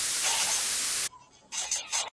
ايا د اوسني حکومت سياسي پرېکړي قانوني بڼه لري؟